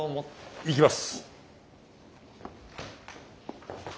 行きます。